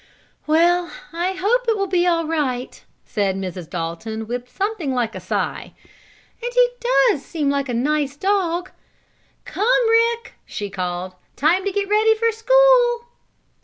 "Well, I hope it will be all right," said Mrs. Dalton, with something like a sigh. "And he does seem like a nice dog. Come, Rick!" she called. "Time to get ready for school!"